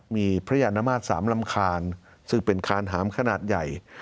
มีพระยานมาตร๓ลำคาญซึ่งเป็นคานหามขนาดใหญ่